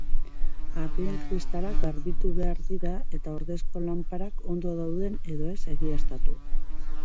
Argien kristalak garbitu behar dira eta ordezko lanparak ondo dauden edo ez egiaztatu.